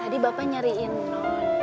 tadi bapak nyariin non